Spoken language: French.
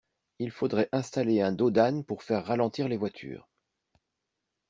Il faudrait installer un dos d'âne pour faire ralentir les voitures.